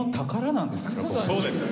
そうです！